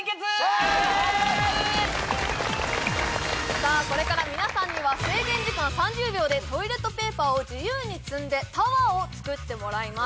さあこれから皆さんには制限時間３０秒でトイレットペーパーを自由に積んでタワーを作ってもらいます